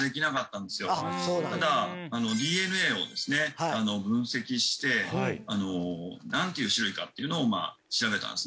ただＤＮＡを分析して何ていう種類かっていうのを調べたんですね。